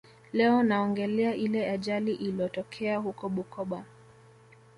Leo naongelea ile ajali ilotokea huko Bukoba